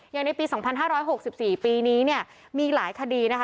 อย่างในปี๒๕๖๔ปีนี้มีหลายคดีนะคะ